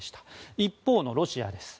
一方のロシアです。